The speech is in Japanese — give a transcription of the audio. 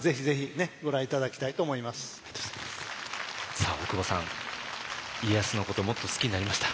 さあ大久保さん家康のこともっと好きになりました？